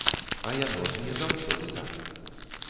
А яно ж не заўсёды так.